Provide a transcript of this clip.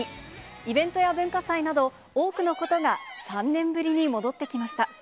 イベントや文化祭など、多くのことが３年ぶりに戻ってきました。